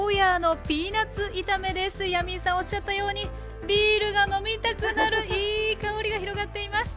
ヤミーさんおっしゃったようにビールが飲みたくなるいい香りが広がっています。